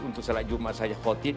untuk salat jumat saja khotid